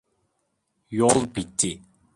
Yol bitti.